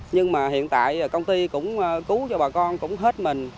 nhưng mà hiện tại công ty cũng cứu cho bà con cũng hết mình